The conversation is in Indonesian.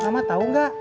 ma tahu nggak